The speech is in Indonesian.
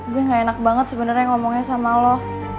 gue gak enak banget sebenernya ngomongnya sama lo